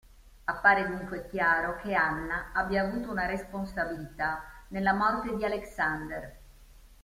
Appare dunque chiaro che Anna abbia avuto una responsabilità nella morte di Alexander.